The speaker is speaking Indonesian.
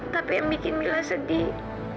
tapi yang bikin mila sedih